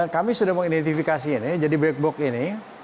kami sudah mengidentifikasi ini jadi black box ini